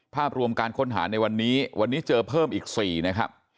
ภาพรวมการค้นหาในวันนี้วันนี้เจอเพิ่มอีก๔นะครับ